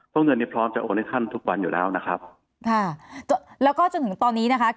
พ่อเงินนี้พร้อมจะโอน้ยท่านทุกวันอยู่แล้วนะครับ